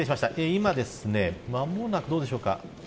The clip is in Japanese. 今、間もなく、どうでしょうか。